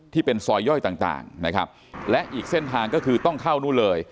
ที่เป็นซอยย่อยต่างต่างนะครับและอีกเส้นทางก็คือต้องเข้านู่นเลย